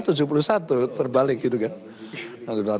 tujuh puluh satu terbalik gitu kan